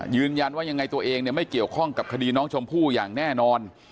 ยืนยันว่ายังไงตัวเองไม่เกี่ยวข้องกับคดีน้องชมพู่อย่างแน่นอน